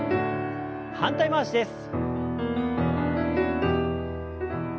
反対回しです。